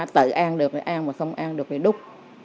tự ăn được thì ăn mà không ăn được thì đúc